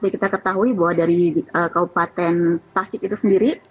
kita ketahui bahwa dari kabupaten tasik itu sendiri